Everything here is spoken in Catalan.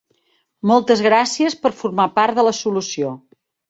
Moltes gràcies per formar part de la solució!